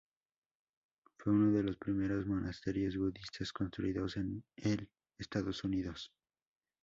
Fue uno de los primeros monasterios budistas construidos en el Estados Unidos.